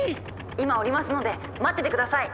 ・今降りますので待ってて下さい。